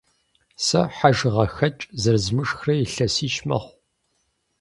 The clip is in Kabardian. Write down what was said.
Сэ хьэжыгъэхэкӏ зэрызмышхрэ илъэсищ мэхъу.